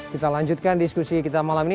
kita lanjutkan diskusi kita malam ini